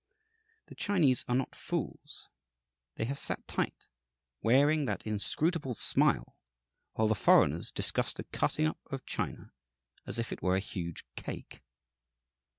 The Chinese are not fools. They have sat tight, wearing that inscrutable smile, while the foreigners discussed the cutting up of China as if it were a huge cake.